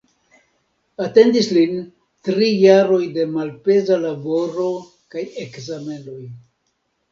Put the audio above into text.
Atendis lin tri jarojn de malpeza laboro kaj ekzamenoj.